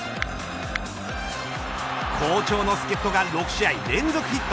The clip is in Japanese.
好調の助っ人が６試合連続ヒット。